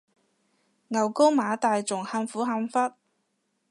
牛高馬大仲喊苦喊忽